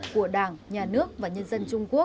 của đảng nhà nước và nhân dân trung quốc